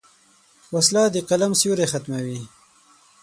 وسله د قلم سیوری ختموي